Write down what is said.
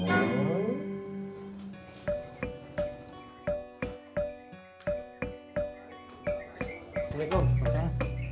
assalamualaikum apa khabar